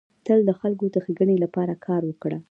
تل د خلکو د ښيګڼي لپاره کار وکړه.